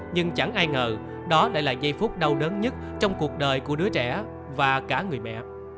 nhưng chẳng ai ngờ đó lại là giây phút đau đớn nhất trong cuộc đời của đứa trẻ và cả người mẹ